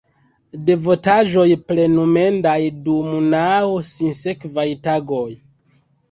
Devotaĵoj plenumendaj dum naŭ sinsekvaj tagoj.